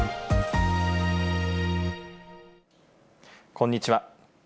こんにちは。